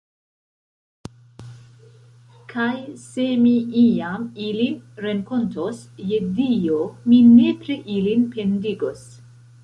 Kaj se mi iam ilin renkontos, je Dio, mi nepre ilin pendigos.